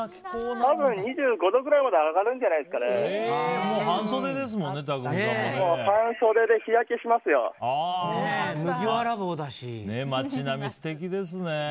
たぶん２５度くらいまで上がるんじゃないですかね。